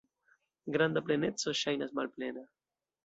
Granda pleneco ŝajnas malplena.